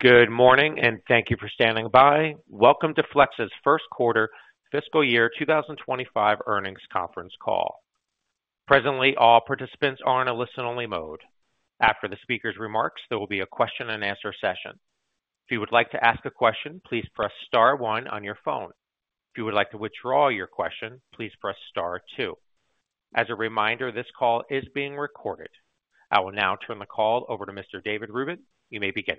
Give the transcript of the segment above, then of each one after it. Good morning, and thank you for standing by. Welcome to Flex's Q1 Fiscal Year 2025 Earnings Conference Call. Presently, all participants are in a listen-only mode. After the speaker's remarks, there will be a question-and-answer session. If you would like to ask a question, please press star one on your phone. If you would like to withdraw your question, please press star two. As a reminder, this call is being recorded. I will now turn the call over to Mr. David Rubin. You may begin.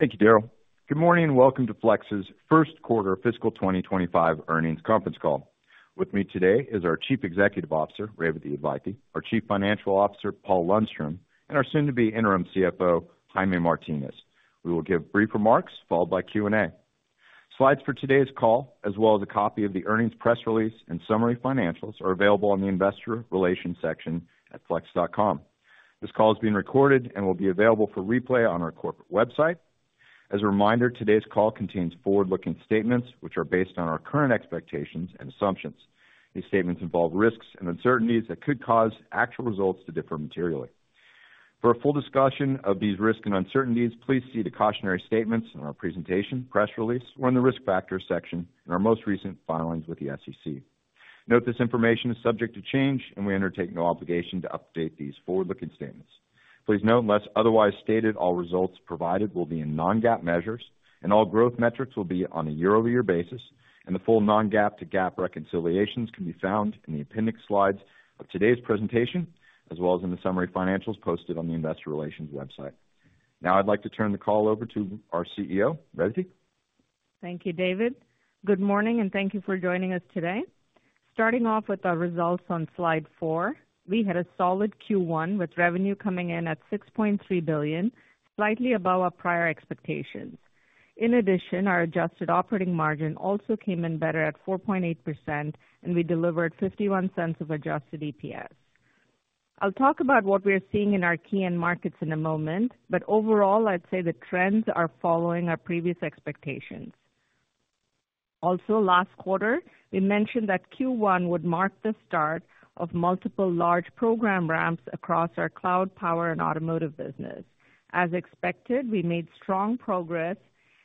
Thank you, Daryl. Good morning, and welcome to Flex's Q1 Fiscal 2025 Earnings Conference Call. With me today is our Chief Executive Officer, Revathi Advaithi, our Chief Financial Officer, Paul Lundstrom, and our soon-to-be interim CFO, Jaime Martinez. We will give brief remarks followed by Q&A. Slides for today's call, as well as a copy of the earnings press release and summary financials, are available on the Investor Relations section at flex.com. This call is being recorded and will be available for replay on our corporate website. As a reminder, today's call contains forward-looking statements which are based on our current expectations and assumptions. These statements involve risks and uncertainties that could cause actual results to differ materially. For a full discussion of these risks and uncertainties, please see the cautionary statements in our presentation, press release, or in the risk factors section in our most recent filings with the SEC. Note this information is subject to change, and we undertake no obligation to update these forward-looking statements. Please note unless otherwise stated, all results provided will be in non-GAAP measures, and all growth metrics will be on a year-over-year basis, and the full non-GAAP to GAAP reconciliations can be found in the appendix slides of today's presentation, as well as in the summary financials posted on the investor relations website. Now, I'd like to turn the call over to our CEO, Revathi. Thank you, David. Good morning, and thank you for joining us today. Starting off with our results on slide four, we had a solid Q1 with revenue coming in at $6.3 billion, slightly above our prior expectations. In addition, our adjusted operating margin also came in better at 4.8%, and we delivered $0.51 of adjusted EPS. I'll talk about what we are seeing in our key end markets in a moment, but overall, I'd say the trends are following our previous expectations. Also, last quarter, we mentioned that Q1 would mark the start of multiple large program ramps across our cloud, power, and automotive business. As expected, we made strong progress,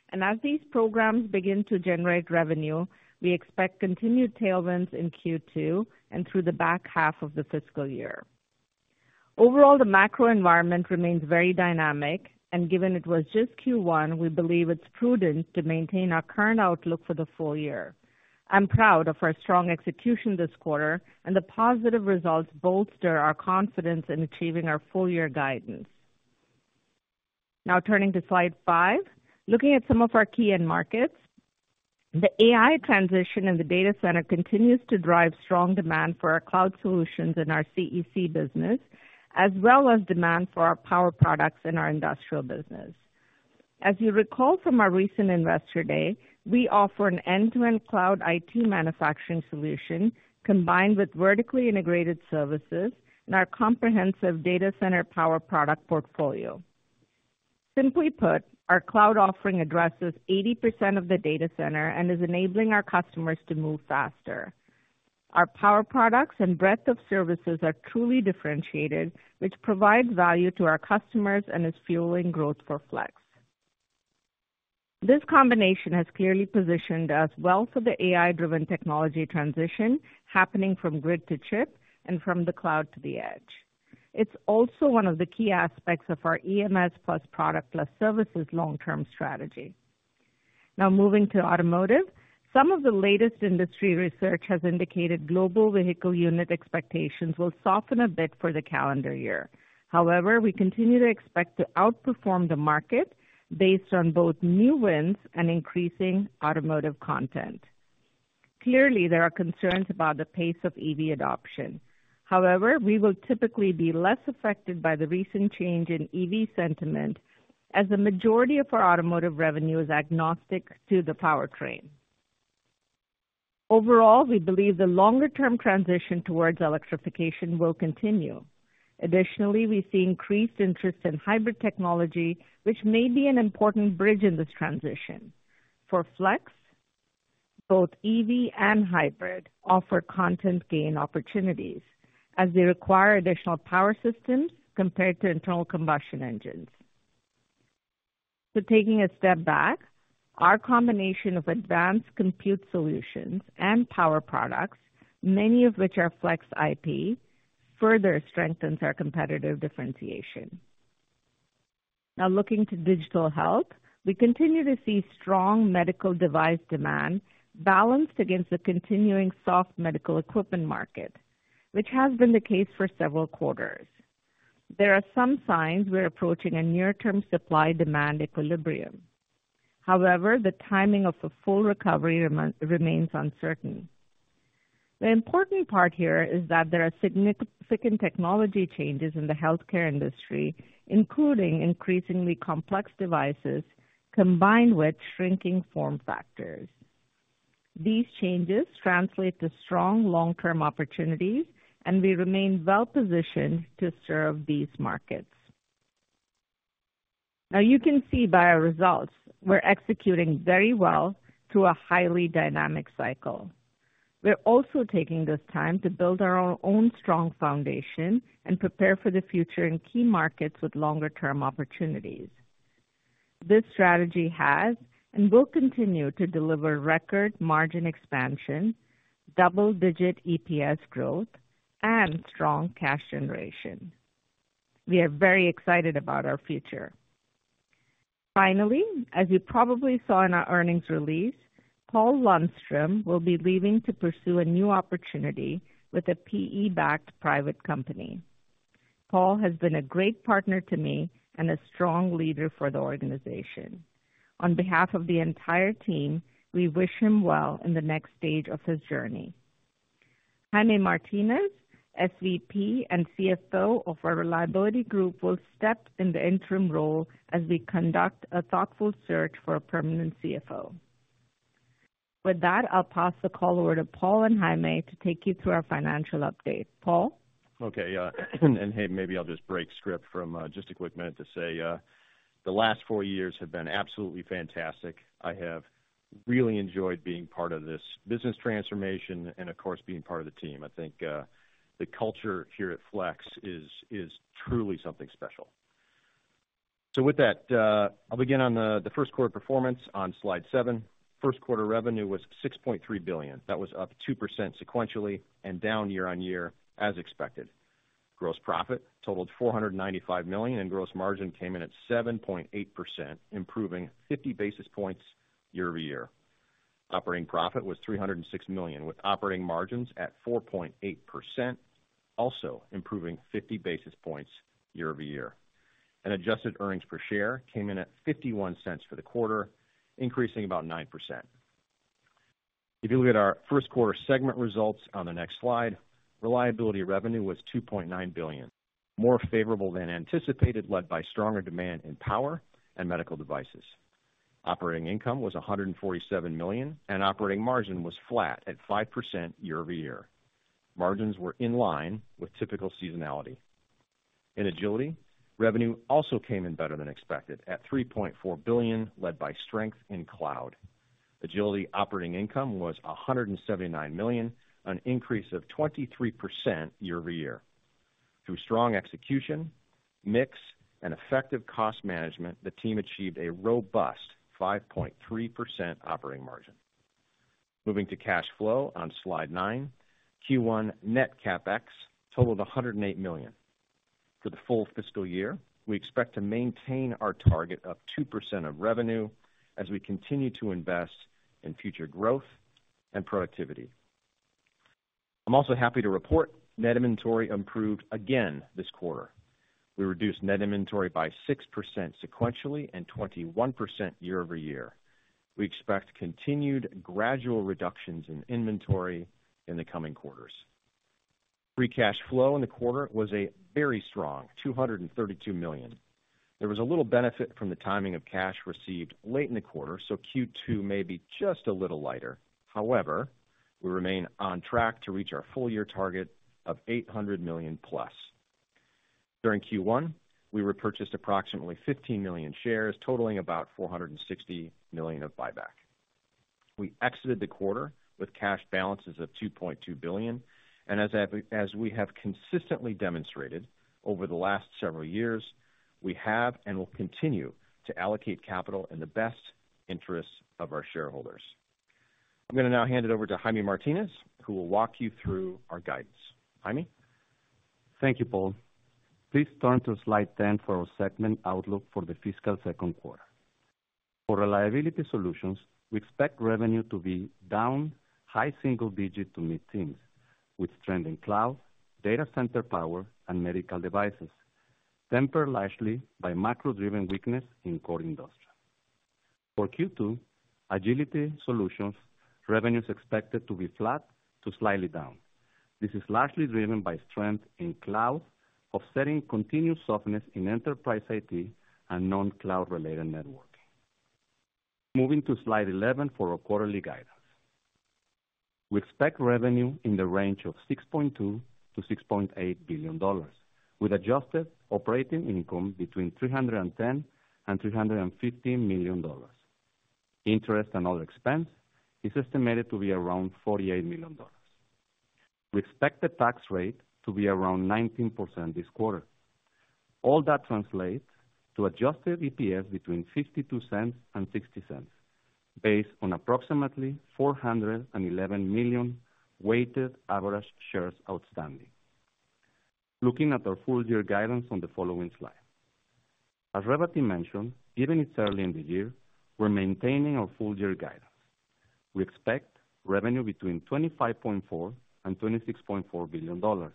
and as these programs begin to generate revenue, we expect continued tailwinds in Q2 and through the back half of the fiscal year. Overall, the macro environment remains very dynamic, and given it was just Q1, we believe it's prudent to maintain our current outlook for the full year. I'm proud of our strong execution this quarter, and the positive results bolster our confidence in achieving our full-year guidance. Now, turning to slide five, looking at some of our key end markets, the AI transition in the data center continues to drive strong demand for our cloud solutions in our CEC business, as well as demand for our power products in our industrial business. As you recall from our recent Investor Day, we offer an end-to-end cloud IT manufacturing solution combined with vertically integrated services and our comprehensive data center power product portfolio. Simply put, our cloud offering addresses 80% of the data center and is enabling our customers to move faster. Our power products and breadth of services are truly differentiated, which provides value to our customers and is fueling growth for Flex. This combination has clearly positioned us well for the AI-driven technology transition happening from grid to chip and from the cloud to the edge. It's also one of the key aspects of our EMS plus product plus services long-term strategy. Now, moving to automotive, some of the latest industry research has indicated global vehicle unit expectations will soften a bit for the calendar year. However, we continue to expect to outperform the market based on both new wins and increasing automotive content. Clearly, there are concerns about the pace of EV adoption. However, we will typically be less affected by the recent change in EV sentiment as the majority of our automotive revenue is agnostic to the powertrain. Overall, we believe the longer-term transition towards electrification will continue. Additionally, we see increased interest in hybrid technology, which may be an important bridge in this transition. For Flex, both EV and hybrid offer content gain opportunities as they require additional power systems compared to internal combustion engines. So, taking a step back, our combination of advanced compute solutions and power products, many of which are Flex IP, further strengthens our competitive differentiation. Now, looking to digital health, we continue to see strong medical device demand balanced against the continuing soft medical equipment market, which has been the case for several quarters. There are some signs we're approaching a near-term supply-demand equilibrium. However, the timing of a full recovery remains uncertain. The important part here is that there are significant technology changes in the healthcare industry, including increasingly complex devices combined with shrinking form factors. These changes translate to strong long-term opportunities, and we remain well-positioned to serve these markets. Now, you can see by our results, we're executing very well through a highly dynamic cycle. We're also taking this time to build our own strong foundation and prepare for the future in key markets with longer-term opportunities. This strategy has and will continue to deliver record margin expansion, double-digit EPS growth, and strong cash generation. We are very excited about our future. Finally, as you probably saw in our earnings release, Paul Lundstrom will be leaving to pursue a new opportunity with a PE-backed private company. Paul has been a great partner to me and a strong leader for the organization. On behalf of the entire team, we wish him well in the next stage of his journey. Jaime Martinez, SVP and CFO of our Reliability Group, will step in the interim role as we conduct a thoughtful search for a permanent CFO. With that, I'll pass the call over to Paul and Jaime to take you through our financial update. Paul? Okay. Hey, maybe I'll just break script for just a quick minute to say the last 4 years have been absolutely fantastic. I have really enjoyed being part of this business transformation and, of course, being part of the team. I think the culture here at Flex is truly something special. With that, I'll begin on the Q1 performance on slide seven. Q1 revenue was $6.3 billion. That was up 2% sequentially and down year-over-year as expected. Gross profit totaled $495 million, and gross margin came in at 7.8%, improving 50 basis points year-over-year. Operating profit was $306 million, with operating margins at 4.8%, also improving 50 basis points year-over-year. Adjusted earnings per share came in at $0.51 for the quarter, increasing about 9%. If you look at our Q1 segment results on the next slide, Reliability revenue was $2.9 billion, more favorable than anticipated, led by stronger demand in power and medical devices. Operating income was $147 million, and operating margin was flat at 5% year-over-year. Margins were in line with typical seasonality. In Agility, revenue also came in better than expected at $3.4 billion, led by strength in cloud. Agility operating income was $179 million, an increase of 23% year-over-year. Through strong execution, mix, and effective cost management, the team achieved a robust 5.3% operating margin. Moving to cash flow on slide 9, Q1 net CapEx totaled $108 million. For the full fiscal year, we expect to maintain our target of 2% of revenue as we continue to invest in future growth and productivity. I'm also happy to report net inventory improved again this quarter. We reduced net inventory by 6% sequentially and 21% year-over-year. We expect continued gradual reductions in inventory in the coming quarters. Free cash flow in the quarter was very strong, $232 million. There was a little benefit from the timing of cash received late in the quarter, so Q2 may be just a little lighter. However, we remain on track to reach our full-year target of $800 million+. During Q1, we repurchased approximately 15 million shares, totaling about $460 million of buyback. We exited the quarter with cash balances of $2.2 billion. And as we have consistently demonstrated over the last several years, we have and will continue to allocate capital in the best interests of our shareholders. I'm going to now hand it over to Jaime Martinez, who will walk you through our guidance. Jaime? Thank you, Paul. Please turn to slide 10 for our segment outlook for the fiscal Q2. For Reliability Solutions, we expect revenue to be down high single-digits to mid-teens with strength in cloud, data center power, and medical devices, tempered largely by macro-driven weakness in core industrial. For Q2, Agility Solutions, revenues expected to be flat to slightly down. This is largely driven by strength in cloud, offsetting continued softness in enterprise IT and non-cloud related networking. Moving to slide 11 for our quarterly guidance. We expect revenue in the range of $6.2 to $6.8 billion, with adjusted operating income between $310 to $315 million. Interest and other expense is estimated to be around $48 million. We expect the tax rate to be around 19% this quarter. All that translates to adjusted EPS between $0.52 and $0.60, based on approximately 411 million weighted average shares outstanding. Looking at our full-year guidance on the following slide. As Revathi mentioned, given it's early in the year, we're maintaining our full-year guidance. We expect revenue between $25.4 billion to $26.4 billion,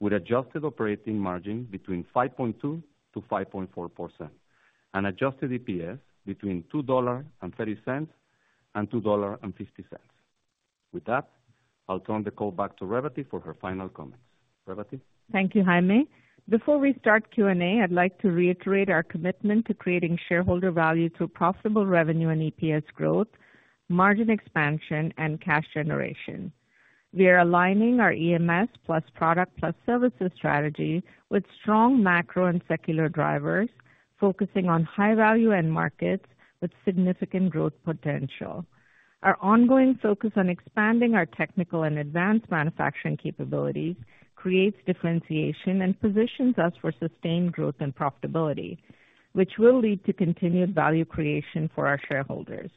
with adjusted operating margin between 5.2% to 5.4%, and adjusted EPS between $2.30 to $2.50. With that, I'll turn the call back to Revathi for her final comments. Revathi. Thank you, Jaime. Before we start Q&A, I'd like to reiterate our commitment to creating shareholder value through profitable revenue and EPS growth, margin expansion, and cash generation. We are aligning our EMS plus product plus services strategy with strong macro and secular drivers, focusing on high-value end markets with significant growth potential. Our ongoing focus on expanding our technical and advanced manufacturing capabilities creates differentiation and positions us for sustained growth and profitability, which will lead to continued value creation for our shareholders.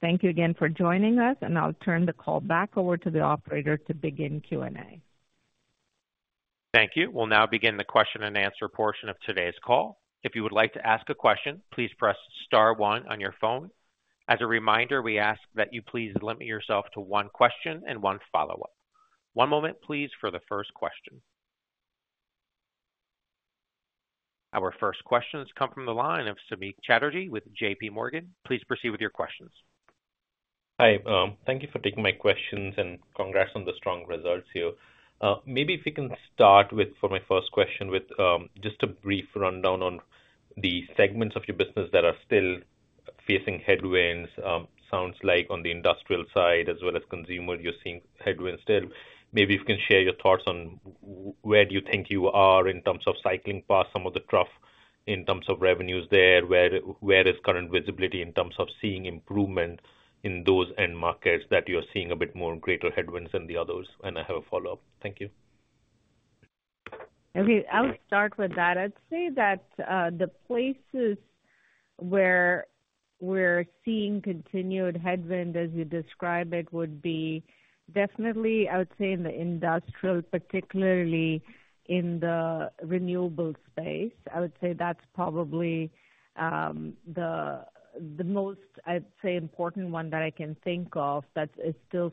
Thank you again for joining us, and I'll turn the call back over to the operator to begin Q&A. Thank you. We'll now begin the question and answer portion of today's call. If you would like to ask a question, please press star one on your phone. As a reminder, we ask that you please limit yourself to one question and one follow-up. One moment, please, for the first question. Our first questions come from the line of Samik Chatterjee with JPMorgan. Please proceed with your questions. Hi. Thank you for taking my questions, and congrats on the strong results here. Maybe if we can start with, for my first question, with just a brief rundown on the segments of your business that are still facing headwinds. Sounds like on the industrial side as well as consumer, you're seeing headwinds still. Maybe if you can share your thoughts on where do you think you are in terms of cycling past some of the trough in terms of revenues there. Where is current visibility in terms of seeing improvement in those end markets that you're seeing a bit more greater headwinds than the others? I have a follow-up. Thank you. Okay. I'll start with that. I'd say that the places where we're seeing continued headwind, as you describe it, would be definitely, I would say, in the industrial, particularly in the renewable space. I would say that's probably the most, I'd say, important one that I can think of that is still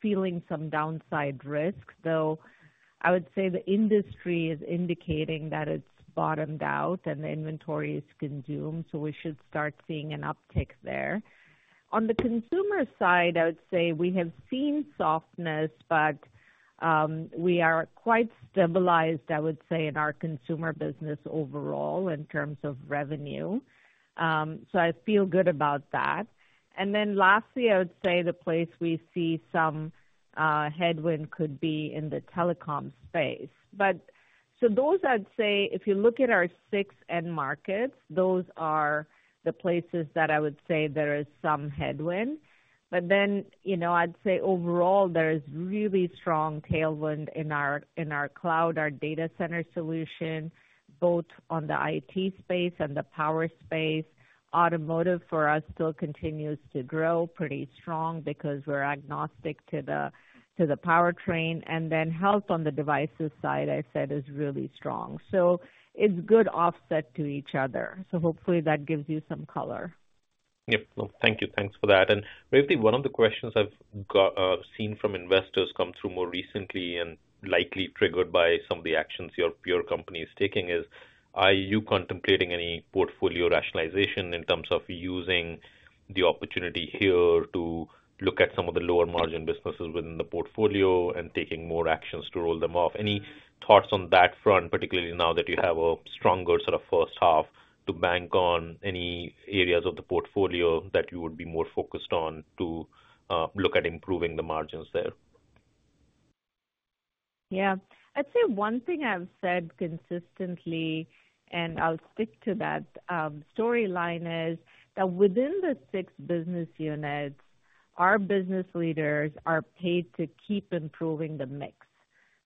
feeling some downside risk, though I would say the industry is indicating that it's bottomed out and the inventory is consumed. So we should start seeing an uptick there. On the consumer side, I would say we have seen softness, but we are quite stabilized, I would say, in our consumer business overall in terms of revenue. So I feel good about that. And then lastly, I would say the place we see some headwind could be in the telecom space. But so those, I'd say, if you look at our six end markets, those are the places that I would say there is some headwind. But then I'd say overall, there is really strong tailwind in our cloud, our data center solution, both on the IT space and the power space. Automotive for us still continues to grow pretty strong because we're agnostic to the powertrain. And then health on the devices side, I said, is really strong. So it's good offset to each other. So hopefully that gives you some color. Yep. Well, thank you. Thanks for that. And briefly, one of the questions I've seen from investors come through more recently and likely triggered by some of the actions your company is taking is, are you contemplating any portfolio rationalization in terms of using the opportunity here to look at some of the lower margin businesses within the portfolio and taking more actions to roll them off? Any thoughts on that front, particularly now that you have a stronger sort of first half to bank on? Any areas of the portfolio that you would be more focused on to look at improving the margins there? Yeah. I'd say one thing I've said consistently, and I'll stick to that storyline, is that within the six business units, our business leaders are paid to keep improving the mix,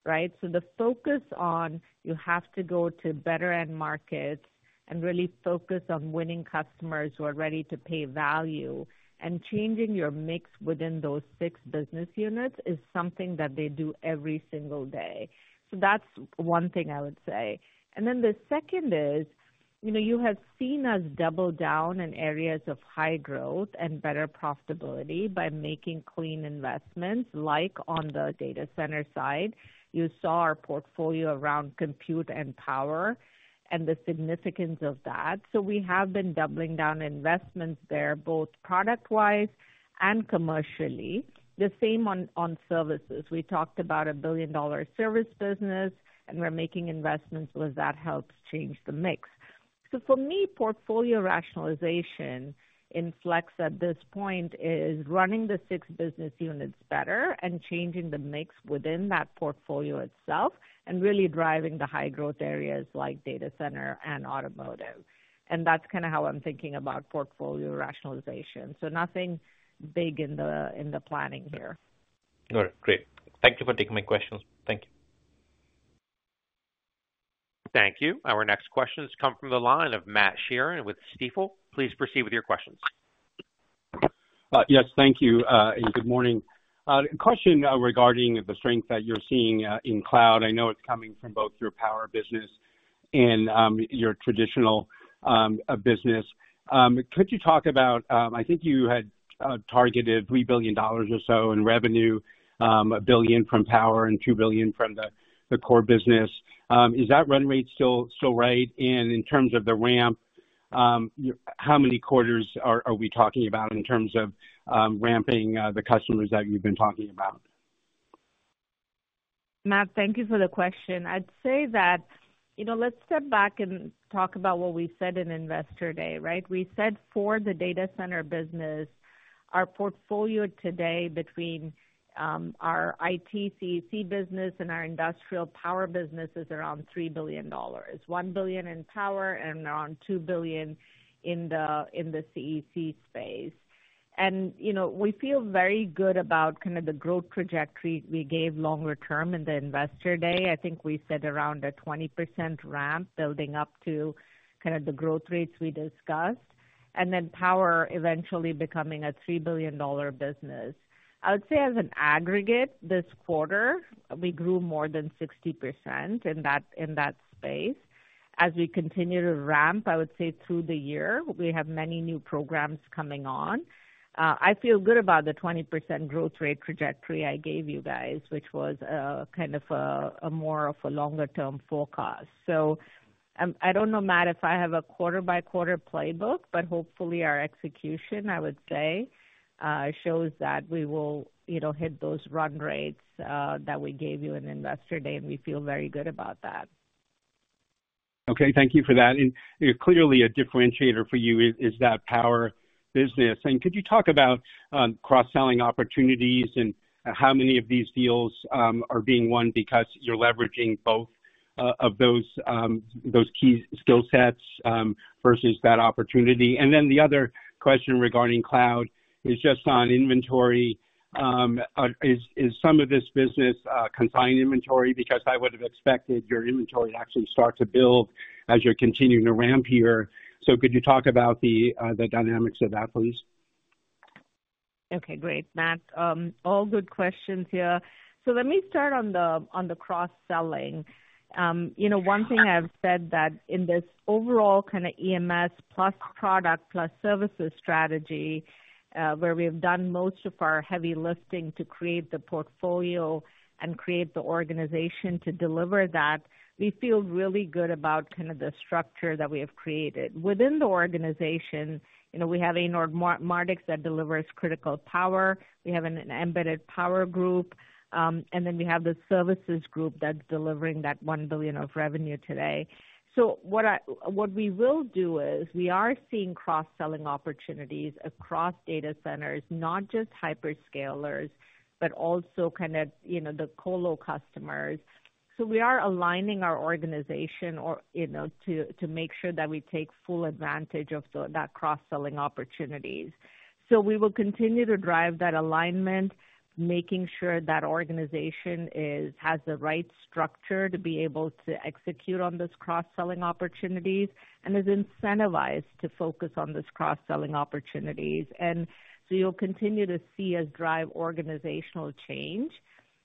right? So the focus on you have to go to better end markets and really focus on winning customers who are ready to pay value. And changing your mix within those six business units is something that they do every single day. So that's one thing I would say. And then the second is you have seen us double down in areas of high growth and better profitability by making clean investments, like on the data center side. You saw our portfolio around compute and power and the significance of that. So we have been doubling down investments there, both product-wise and commercially. The same on services. We talked about a billion-dollar service business, and we're making investments because that helps change the mix. So for me, portfolio rationalization in Flex at this point is running the six business units better and changing the mix within that portfolio itself and really driving the high-growth areas like data center and automotive. And that's kind of how I'm thinking about portfolio rationalization. So nothing big in the planning here. All right. Great. Thank you for taking my questions. Thank you. Thank you. Our next questions come from the line of Matt Sheerin with Stifel. Please proceed with your questions. Yes. Thank you and good morning. Question regarding the strength that you're seeing in cloud. I know it's coming from both your power business and your traditional business. Could you talk about, I think you had targeted $3 billion or so in revenue, $1 billion from power and $2 billion from the core business. Is that run rate still right? And in terms of the ramp, how many quarters are we talking about in terms of ramping the customers that you've been talking about? Matt, thank you for the question. I'd say that let's step back and talk about what we said in investor day, right? We said for the data center business, our portfolio today between our IT CEC business and our industrial power business is around $3 billion, $1 billion in power, and around $2 billion in the CEC space. And we feel very good about kind of the growth trajectory we gave longer term in the investor day. I think we said around a 20% ramp building up to kind of the growth rates we discussed, and then power eventually becoming a $3 billion business. I would say as an aggregate, this quarter, we grew more than 60% in that space. As we continue to ramp, I would say through the year, we have many new programs coming on. I feel good about the 20% growth rate trajectory I gave you guys, which was kind of more of a longer-term forecast. So I don't know, Matt, if I have a quarter-by-quarter playbook, but hopefully our execution, I would say, shows that we will hit those run rates that we gave you in investor day, and we feel very good about that. Okay. Thank you for that. Clearly, a differentiator for you is that power business. Could you talk about cross-selling opportunities and how many of these deals are being won because you're leveraging both of those key skill sets versus that opportunity? Then the other question regarding cloud is just on inventory. Is some of this business consigned inventory? Because I would have expected your inventory to actually start to build as you're continuing to ramp here. Could you talk about the dynamics of that, please? Okay. Great, Matt. All good questions here. So let me start on the cross-selling. One thing I've said that in this overall kind of EMS plus product plus services strategy, where we have done most of our heavy lifting to create the portfolio and create the organization to deliver that, we feel really good about kind of the structure that we have created. Within the organization, we have Anord Mardix that delivers critical power. We have an embedded power group. And then we have the services group that's delivering that $1 billion of revenue today. So what we will do is we are seeing cross-selling opportunities across data centers, not just hyperscalers, but also kind of the colo customers. So we are aligning our organization to make sure that we take full advantage of that cross-selling opportunities. So we will continue to drive that alignment, making sure that organization has the right structure to be able to execute on those cross-selling opportunities and is incentivized to focus on those cross-selling opportunities. So you'll continue to see us drive organizational change.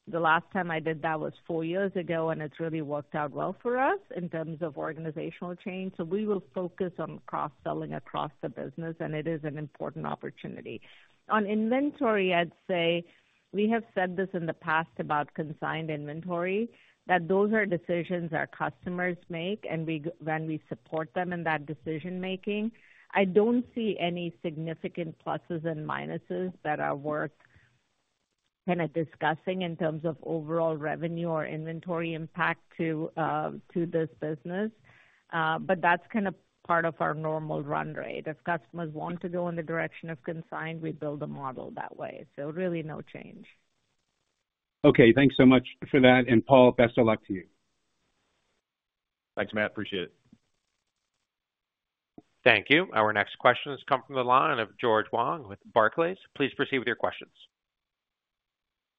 The last time I did that was four years ago, and it's really worked out well for us in terms of organizational change. So we will focus on cross-selling across the business, and it is an important opportunity. On inventory, I'd say we have said this in the past about consigned inventory, that those are decisions our customers make and when we support them in that decision-making. I don't see any significant pluses and minuses that are worth kind of discussing in terms of overall revenue or inventory impact to this business. But that's kind of part of our normal run rate. If customers want to go in the direction of consigned, we build a model that way. So really no change. Okay. Thanks so much for that. Paul, best of luck to you. Thanks, Matt. Appreciate it. Thank you. Our next question has come from the line of George Wang with Barclays. Please proceed with your questions.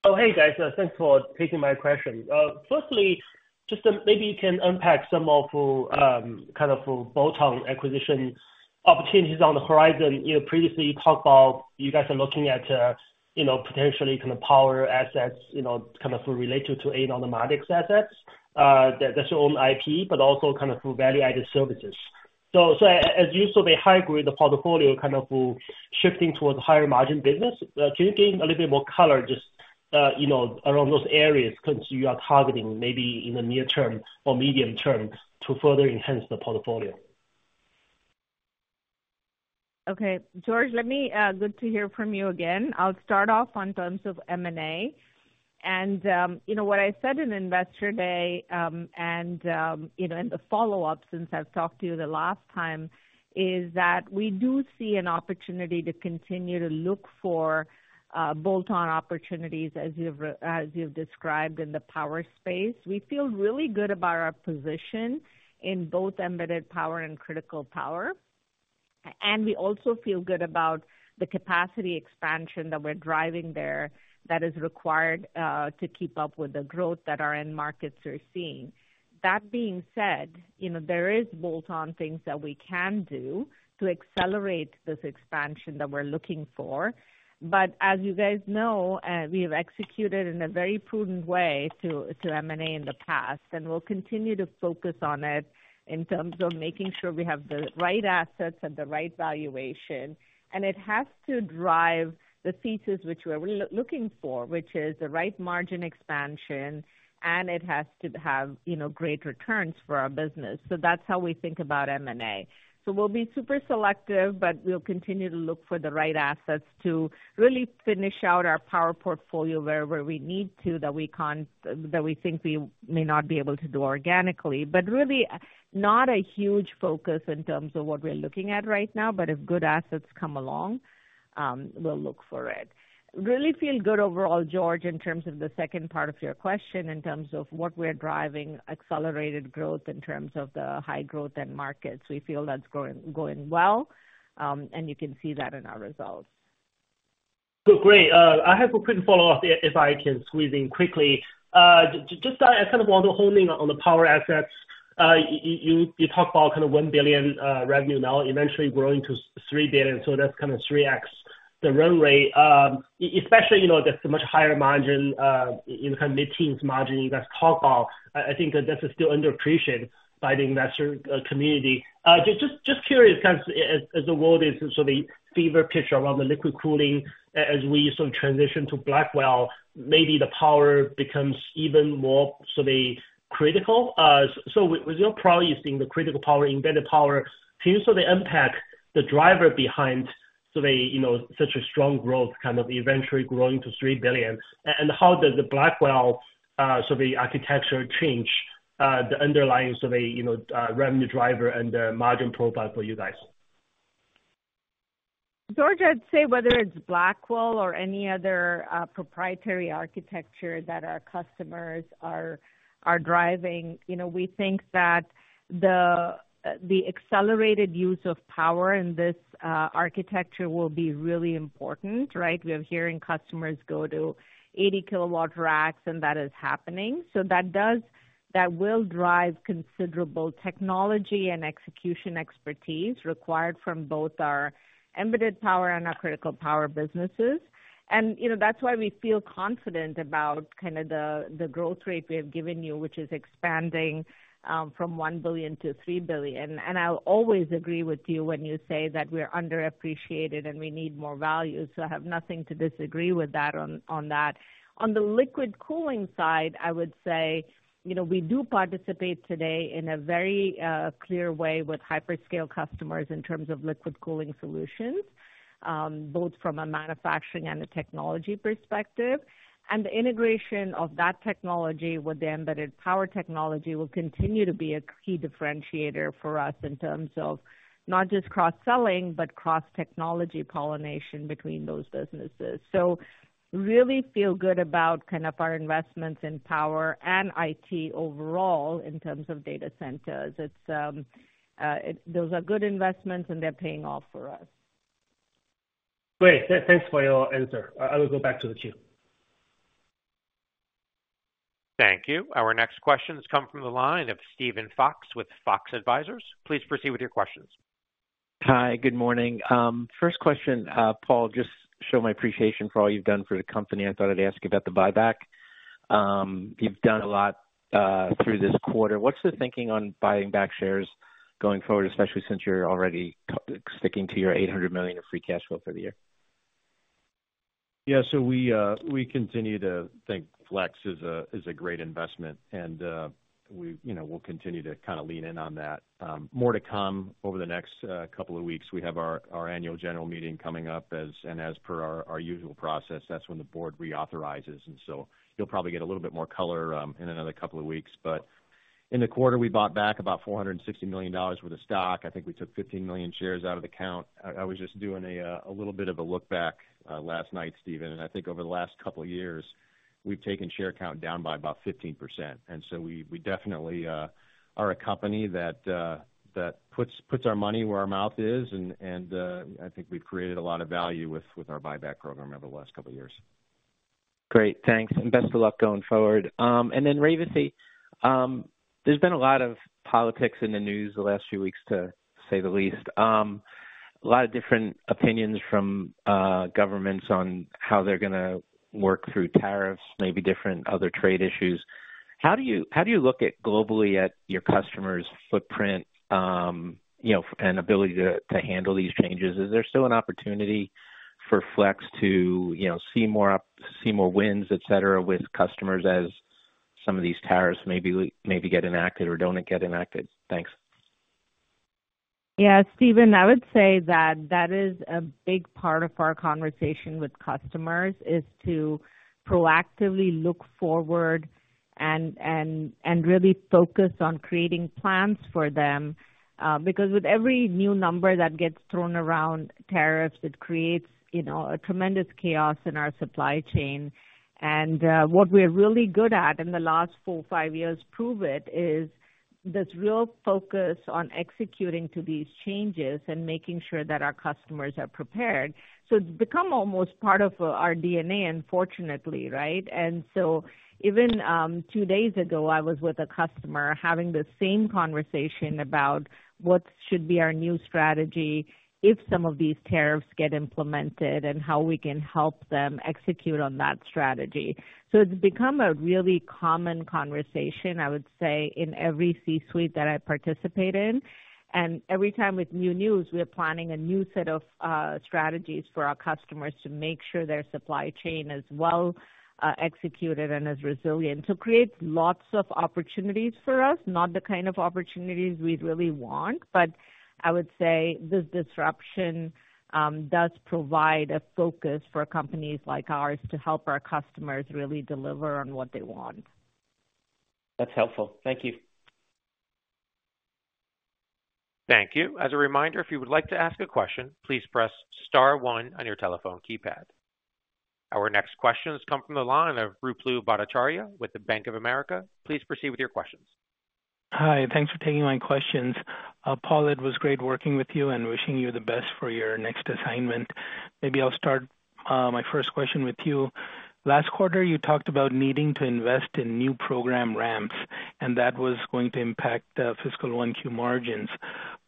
Oh, hey, guys. Thanks for taking my question. Firstly, just maybe you can unpack some of kind of bolt-on acquisition opportunities on the horizon. Previously, you talked about you guys are looking at potentially kind of power assets kind of related to Anord Mardix assets that's your own IP, but also kind of value-added services. So as usual, they high-grade the portfolio kind of shifting towards higher margin business. Can you give a little bit more color just around those areas you are targeting maybe in the near term or medium term to further enhance the portfolio? Okay. George, good to hear from you again. I'll start off in terms of M&A. What I said in Investor Day and in the follow-up since I've talked to you the last time is that we do see an opportunity to continue to look for bolt-on opportunities as you've described in the power space. We feel really good about our position in both embedded power and critical power. We also feel good about the capacity expansion that we're driving there that is required to keep up with the growth that our end markets are seeing. That being said, there are bolt-on things that we can do to accelerate this expansion that we're looking for. But as you guys know, we have executed in a very prudent way to M&A in the past, and we'll continue to focus on it in terms of making sure we have the right assets at the right valuation. And it has to drive the thesis which we're looking for, which is the right margin expansion, and it has to have great returns for our business. So that's how we think about M&A. So we'll be super selective, but we'll continue to look for the right assets to really finish out our power portfolio wherever we need to that we think we may not be able to do organically. But really, not a huge focus in terms of what we're looking at right now, but if good assets come along, we'll look for it. Really feel good overall, George, in terms of the second part of your question in terms of what we're driving accelerated growth in terms of the high growth end markets. We feel that's going well, and you can see that in our results. So great. I have a quick follow-up, if I can squeeze in quickly. Just I kind of want to zero in on the power assets. You talked about kind of $1 billion revenue now, eventually growing to $3 billion. So that's kind of 3x the run rate, especially that's a much higher margin in the kind of mid-teens margin you guys talk about. I think that's still underappreciated by the investor community. Just curious, as the world is sort of fever pitch around the liquid cooling, as we sort of transition to Blackwell, maybe the power becomes even more sort of critical. So with your priority seeing the critical power, embedded power, can you sort of unpack the driver behind such a strong growth kind of eventually growing to $3 billion? How does the Blackwell sort of architecture change the underlying sort of revenue driver and the margin profile for you guys? George, I'd say whether it's Blackwell or any other proprietary architecture that our customers are driving, we think that the accelerated use of power in this architecture will be really important, right? We have hearing customers go to 80-kilowatt racks, and that is happening. So that will drive considerable technology and execution expertise required from both our embedded power and our critical power businesses. And that's why we feel confident about kind of the growth rate we have given you, which is expanding from $1 billion-$3 billion. And I'll always agree with you when you say that we're underappreciated and we need more value. So I have nothing to disagree with that on that. On the liquid cooling side, I would say we do participate today in a very clear way with hyperscale customers in terms of liquid cooling solutions, both from a manufacturing and a technology perspective. The integration of that technology with the embedded power technology will continue to be a key differentiator for us in terms of not just cross-selling, but cross-technology pollination between those businesses. So really feel good about kind of our investments in power and IT overall in terms of data centers. Those are good investments, and they're paying off for us. Great. Thanks for your answer. I will go back to the queue. Thank you. Our next questions come from the line of Steven Fox with Fox Advisors. Please proceed with your questions. Hi. Good morning. First question, Paul, just show my appreciation for all you've done for the company. I thought I'd ask you about the buyback. You've done a lot through this quarter. What's the thinking on buying back shares going forward, especially since you're already sticking to your $800 million of free cash flow for the year? Yeah. So we continue to think Flex is a great investment, and we'll continue to kind of lean in on that. More to come over the next couple of weeks. We have our annual general meeting coming up, and as per our usual process, that's when the board reauthorizes. And so you'll probably get a little bit more color in another couple of weeks. But in the quarter, we bought back about $460 million worth of stock. I think we took 15 million shares out of the count. I was just doing a little bit of a look back last night, Steven. And I think over the last couple of years, we've taken share count down by about 15%. And so we definitely are a company that puts our money where our mouth is. I think we've created a lot of value with our buyback program over the last couple of years. Great. Thanks. And best of luck going forward. And then Revathi, there's been a lot of politics in the news the last few weeks, to say the least. A lot of different opinions from governments on how they're going to work through tariffs, maybe different other trade issues. How do you look at globally at your customers' footprint and ability to handle these changes? Is there still an opportunity for Flex to see more wins, etc., with customers as some of these tariffs maybe get enacted or don't get enacted? Thanks. Yeah. Steven, I would say that that is a big part of our conversation with customers is to proactively look forward and really focus on creating plans for them. Because with every new number that gets thrown around, tariffs, it creates a tremendous chaos in our supply chain. And what we're really good at in the last 4, 5 years prove it is this real focus on executing to these changes and making sure that our customers are prepared. So it's become almost part of our DNA, unfortunately, right? And so even 2 days ago, I was with a customer having the same conversation about what should be our new strategy if some of these tariffs get implemented and how we can help them execute on that strategy. So it's become a really common conversation, I would say, in every C-suite that I participate in. Every time with new news, we are planning a new set of strategies for our customers to make sure their supply chain is well executed and is resilient to create lots of opportunities for us, not the kind of opportunities we really want. But I would say this disruption does provide a focus for companies like ours to help our customers really deliver on what they want. That's helpful. Thank you. Thank you. As a reminder, if you would like to ask a question, please press star one on your telephone keypad. Our next questions come from the line of Ruplu Bhattacharya with the Bank of America. Please proceed with your questions. Hi. Thanks for taking my questions. Paul, it was great working with you, and wishing you the best for your next assignment. Maybe I'll start my first question with you. Last quarter, you talked about needing to invest in new program ramps, and that was going to impact fiscal 1Q margins.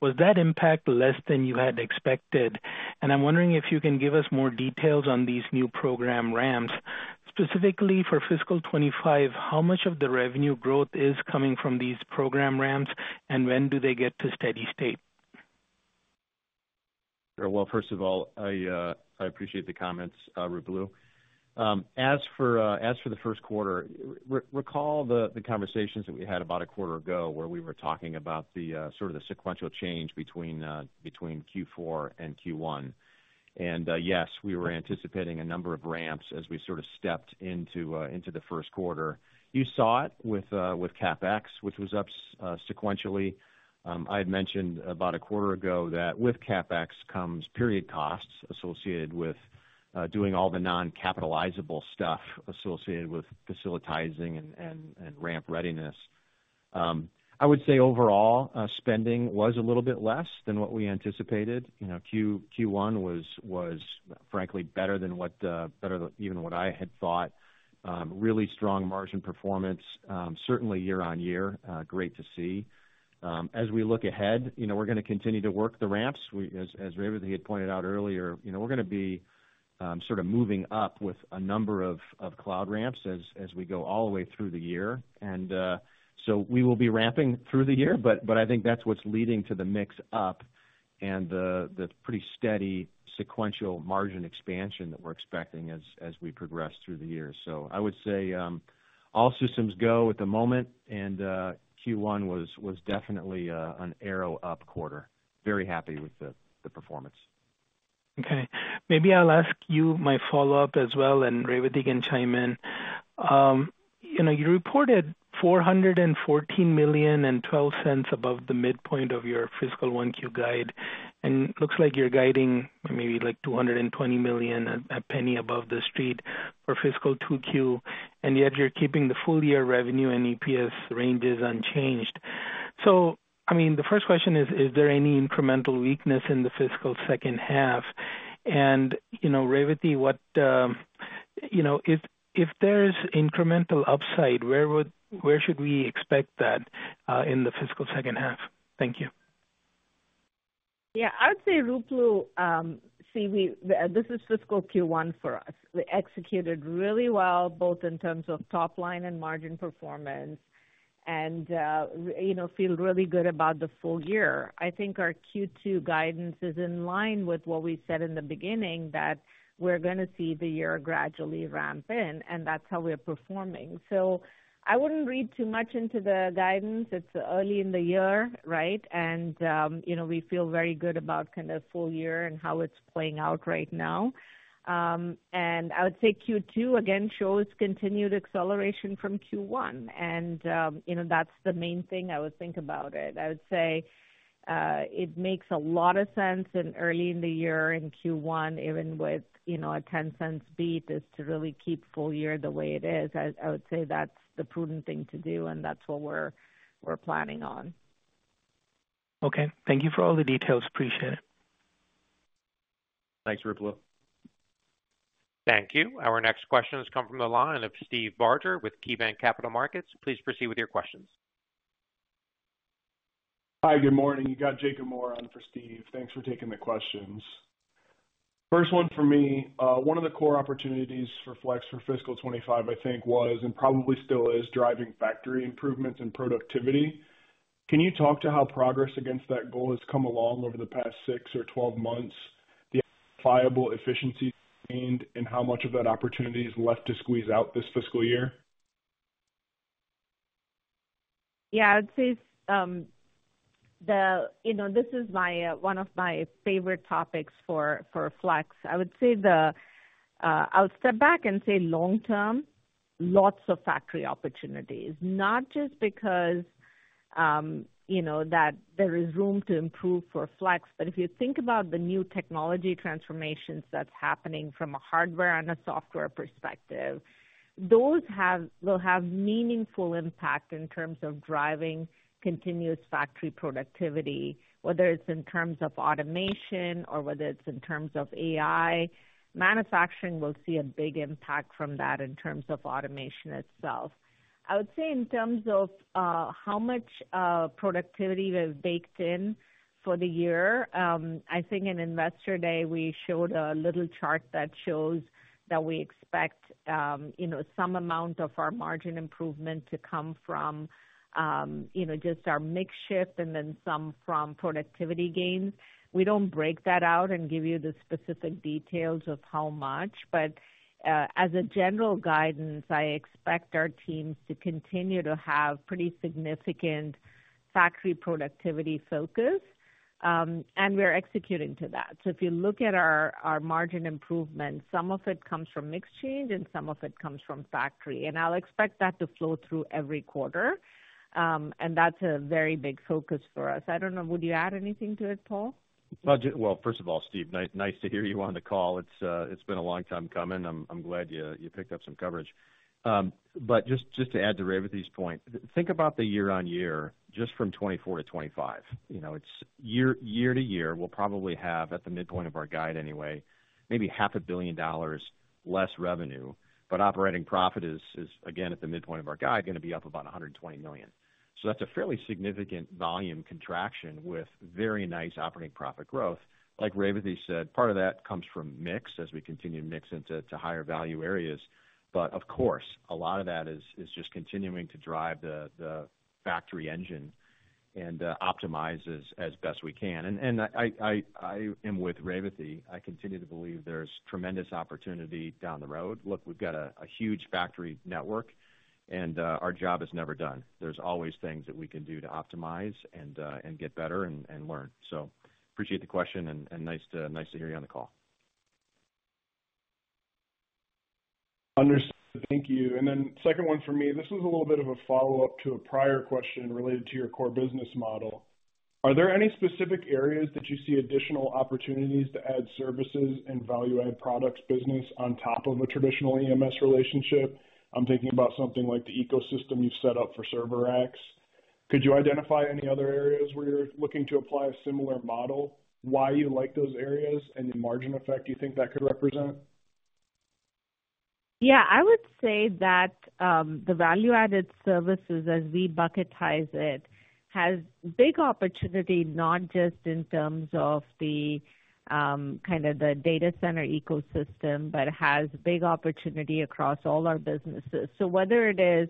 Was that impact less than you had expected? And I'm wondering if you can give us more details on these new program ramps. Specifically for fiscal 2025, how much of the revenue growth is coming from these program ramps, and when do they get to steady state? Well, first of all, I appreciate the comments, Ruplu. As for the Q1, recall the conversations that we had about a quarter ago where we were talking about sort of the sequential change between Q4 and Q1. And yes, we were anticipating a number of ramps as we sort of stepped into the Q1. You saw it with CapEx, which was up sequentially. I had mentioned about a quarter ago that with CapEx comes period costs associated with doing all the non-capitalizable stuff associated with facilitizing and ramp readiness. I would say overall, spending was a little bit less than what we anticipated. Q1 was, frankly, better than even what I had thought. Really strong margin performance, certainly year-on-year, great to see. As we look ahead, we're going to continue to work the ramps. As Revathi had pointed out earlier, we're going to be sort of moving up with a number of cloud ramps as we go all the way through the year. And so we will be ramping through the year, but I think that's what's leading to the mix up and the pretty steady sequential margin expansion that we're expecting as we progress through the year. So I would say all systems go at the moment, and Q1 was definitely an arrow up quarter. Very happy with the performance. Okay. Maybe I'll ask you my follow-up as well, and Revathi can chime in. You reported $414 million and $0.12 above the midpoint of your fiscal 1Q guide, and it looks like you're guiding maybe $220 million and a penny above the street for fiscal 2Q, and yet you're keeping the full year revenue and EPS ranges unchanged. So I mean, the first question is, is there any incremental weakness in the fiscal second half? And Revathi, if there's incremental upside, where should we expect that in the fiscal second half? Thank you. Yeah. I would say Ruplu, see, this is fiscal Q1 for us. We executed really well, both in terms of top line and margin performance, and feel really good about the full year. I think our Q2 guidance is in line with what we said in the beginning, that we're going to see the year gradually ramp in, and that's how we're performing. So I wouldn't read too much into the guidance. It's early in the year, right? And we feel very good about kind of full year and how it's playing out right now. And I would say Q2, again, shows continued acceleration from Q1. And that's the main thing I would think about it. I would say it makes a lot of sense in early in the year in Q1, even with a $0.10 beat, is to really keep full year the way it is. I would say that's the prudent thing to do, and that's what we're planning on. Okay. Thank you for all the details. Appreciate it. Thanks, Ruplu. Thank you. Our next questions come from the line of Steve Barger with KeyBanc Capital Markets. Please proceed with your questions. Hi. Good morning. You got Jacob Moore on for Steve. Thanks for taking the questions. First one for me, one of the core opportunities for Flex for fiscal 2025, I think, was, and probably still is, driving factory improvements and productivity. Can you talk to how progress against that goal has come along over the past 6 or 12 months, the viable efficiencies gained, and how much of that opportunity is left to squeeze out this fiscal year? Yeah. I would say this is one of my favorite topics for Flex. I would say I'll step back and say long-term, lots of factory opportunities, not just because there is room to improve for Flex, but if you think about the new technology transformations that's happening from a hardware and a software perspective, those will have meaningful impact in terms of driving continuous factory productivity, whether it's in terms of automation or whether it's in terms of AI. Manufacturing will see a big impact from that in terms of automation itself. I would say in terms of how much productivity we've baked in for the year, I think in Investor Day, we showed a little chart that shows that we expect some amount of our margin improvement to come from just our mix shift and then some from productivity gains. We don't break that out and give you the specific details of how much, but as a general guidance, I expect our teams to continue to have pretty significant factory productivity focus, and we're executing to that. So if you look at our margin improvement, some of it comes from mixed change and some of it comes from factory. And I'll expect that to flow through every quarter, and that's a very big focus for us. I don't know. Would you add anything to it, Paul? Well, first of all, Steve, nice to hear you on the call. It's been a long time coming. I'm glad you picked up some coverage. But just to add to Revathi's point, think about the year-over-year just from 2024 to 2025. Year-over-year, we'll probably have, at the midpoint of our guide anyway, maybe $500 million less revenue, but operating profit is, again, at the midpoint of our guide, going to be up about $120 million. So that's a fairly significant volume contraction with very nice operating profit growth. Like Revathi said, part of that comes from mix as we continue to mix into higher value areas. But of course, a lot of that is just continuing to drive the factory engine and optimize as best we can. And I am with Revathi. I continue to believe there's tremendous opportunity down the road. Look, we've got a huge factory network, and our job is never done. There's always things that we can do to optimize and get better and learn. So appreciate the question and nice to hear you on the call. Understood. Thank you. And then second one for me, this is a little bit of a follow-up to a prior question related to your core business model. Are there any specific areas that you see additional opportunities to add services and value-add products business on top of a traditional EMS relationship? I'm thinking about something like the ecosystem you've set up for server racks. Could you identify any other areas where you're looking to apply a similar model, why you like those areas, and the margin effect you think that could represent? Yeah. I would say that the value-added services, as we bucketize it, has big opportunity not just in terms of kind of the data center ecosystem, but has big opportunity across all our businesses. So whether it is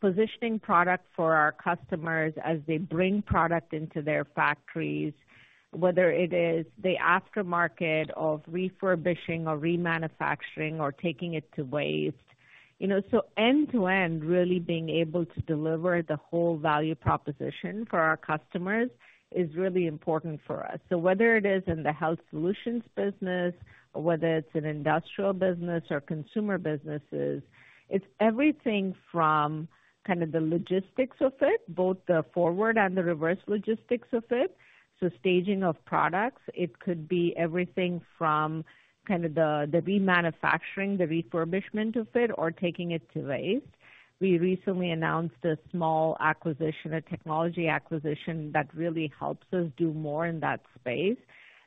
positioning product for our customers as they bring product into their factories, whether it is the aftermarket of refurbishing or remanufacturing or taking it to waste. So end to end, really being able to deliver the whole value proposition for our customers is really important for us. So whether it is in the health solutions business, whether it's an industrial business or consumer businesses, it's everything from kind of the logistics of it, both the forward and the reverse logistics of it. So staging of products, it could be everything from kind of the remanufacturing, the refurbishment of it, or taking it to waste. We recently announced a small acquisition, a technology acquisition that really helps us do more in that space.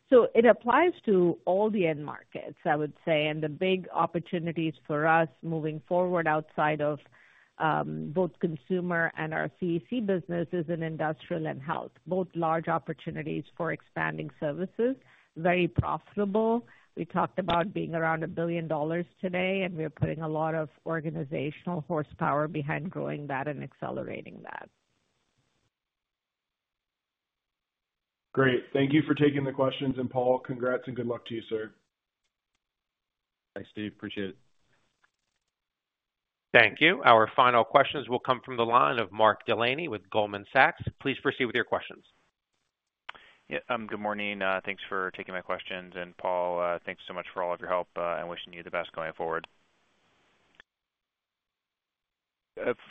So it applies to all the end markets, I would say, and the big opportunities for us moving forward outside of both consumer and our CEC business is in industrial and health. Both large opportunities for expanding services, very profitable. We talked about being around $1 billion today, and we're putting a lot of organizational horsepower behind growing that and accelerating that. Great. Thank you for taking the questions. Paul, congrats and good luck to you, sir. Thanks, Steve. Appreciate it. Thank you. Our final questions will come from the line of Mark Delaney with Goldman Sachs. Please proceed with your questions. Yeah. Good morning. Thanks for taking my questions. And Paul, thanks so much for all of your help. I'm wishing you the best going forward.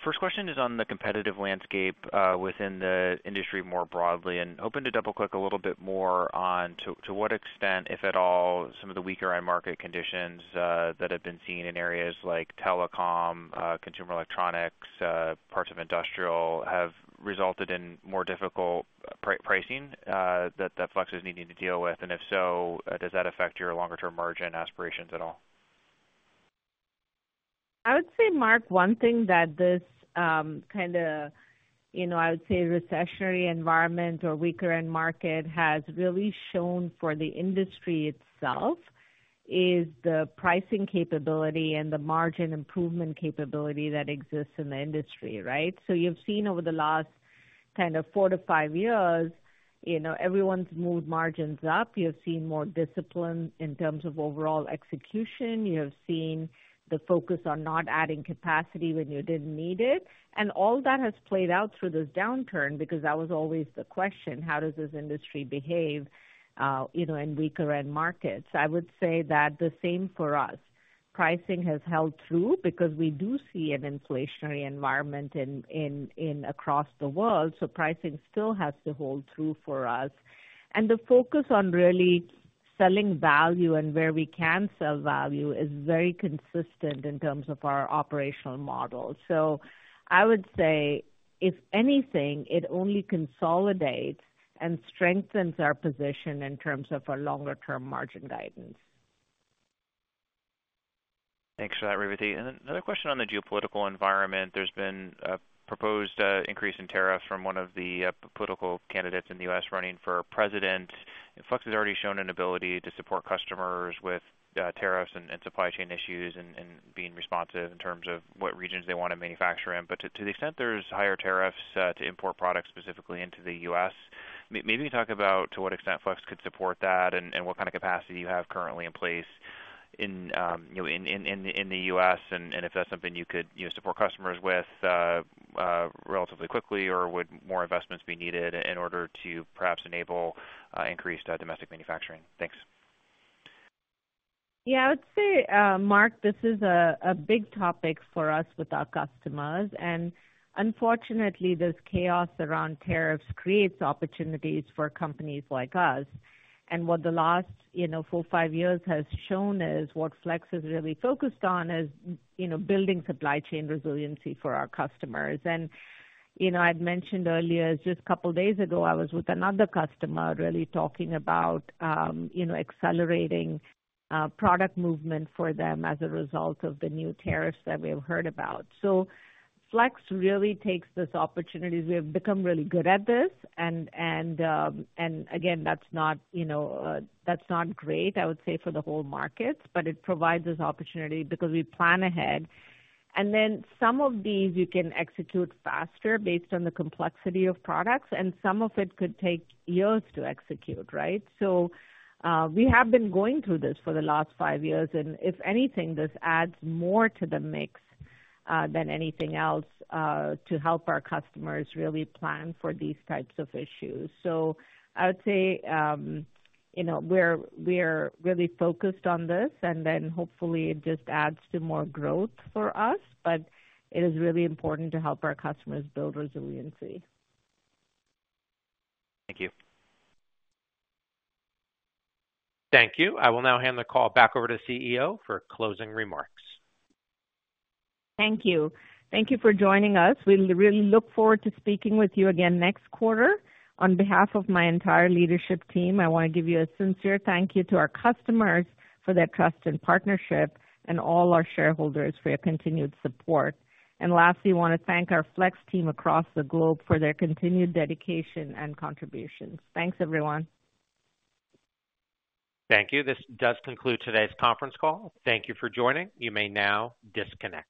First question is on the competitive landscape within the industry more broadly and hoping to double-click a little bit more on to what extent, if at all, some of the weaker end market conditions that have been seen in areas like telecom, consumer electronics, parts of industrial have resulted in more difficult pricing that Flex is needing to deal with. And if so, does that affect your longer-term margin aspirations at all? I would say, Mark, one thing that this kind of, I would say, recessionary environment or weaker end market has really shown for the industry itself is the pricing capability and the margin improvement capability that exists in the industry, right? So you've seen over the last kind of four to five years, everyone's moved margins up. You've seen more discipline in terms of overall execution. You have seen the focus on not adding capacity when you didn't need it. And all that has played out through this downturn because that was always the question, how does this industry behave in weaker end markets? I would say that the same for us. Pricing has held through because we do see an inflationary environment across the world. So pricing still has to hold through for us. And the focus on really selling value and where we can sell value is very consistent in terms of our operational model. So I would say, if anything, it only consolidates and strengthens our position in terms of our longer-term margin guidance. Thanks for that, Revathi. Another question on the geopolitical environment. There's been a proposed increase in tariffs from one of the political candidates in the U.S. running for president. Flex has already shown an ability to support customers with tariffs and supply chain issues and being responsive in terms of what regions they want to manufacture in. But to the extent there's higher tariffs to import products specifically into the U.S`., maybe talk about to what extent Flex could support that and what kind of capacity you have currently in place in the U.S. and if that's something you could support customers with relatively quickly or would more investments be needed in order to perhaps enable increased domestic manufacturing. Thanks. Yeah. I would say, Mark, this is a big topic for us with our customers. Unfortunately, this chaos around tariffs creates opportunities for companies like us. What the last four, five years has shown is what Flex is really focused on is building supply chain resiliency for our customers. I'd mentioned earlier, just a couple of days ago, I was with another customer really talking about accelerating product movement for them as a result of the new tariffs that we have heard about. So Flex really takes this opportunity. We have become really good at this. Again, that's not great, I would say, for the whole markets, but it provides us opportunity because we plan ahead. Then some of these you can execute faster based on the complexity of products, and some of it could take years to execute, right? We have been going through this for the last five years. If anything, this adds more to the mix than anything else to help our customers really plan for these types of issues. I would say we're really focused on this, and then hopefully it just adds to more growth for us, but it is really important to help our customers build resiliency. Thank you. Thank you. I will now hand the call back over to CEO for closing remarks. Thank you. Thank you for joining us. We really look forward to speaking with you again next quarter. On behalf of my entire leadership team, I want to give you a sincere thank you to our customers for their trust and partnership and all our shareholders for your continued support. Lastly, I want to thank our Flex team across the globe for their continued dedication and contributions. Thanks, everyone. Thank you. This does conclude today's conference call. Thank you for joining. You may now disconnect.